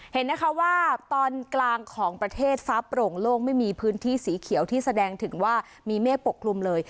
เห็นนะคะว่าตอนกลางของประเทศฟ้าโปร่งโล่งไม่มีพื้นที่สีเขียวที่แสดงถึงว่ามีเมฆปกคลุมเลย